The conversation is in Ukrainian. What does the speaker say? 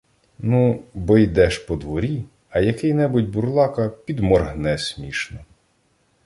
— Ну, бо йдеш по дворі, а який-небудь бурлака підморгне смішно.